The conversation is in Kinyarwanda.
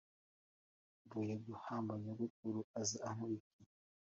Mvuye guhamba nyogokuru aza ankurikiye